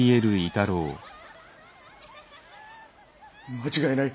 間違いない。